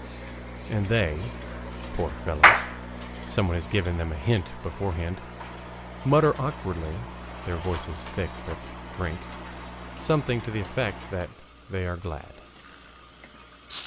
'" And they, poor fellows (someone has given them a hint beforehand), mutter awkwardly, their voices thick with drink, something to the effect that they are glad.